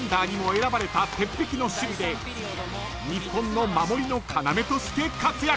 選ばれた鉄壁の守備で日本の守りの要として活躍］